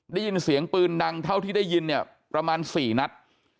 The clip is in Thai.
ได้ยินเสียงปืนดังเท่าที่ได้ยินเนี่ยประมาณ๔นัด